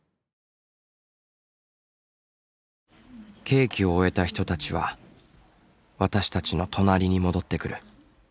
刑期を終えた人たちは私たちの「となり」に戻ってくる。